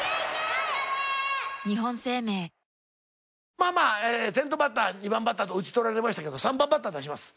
まあまあ先頭バッター２番バッターと打ち取られましたけど３番バッター出します。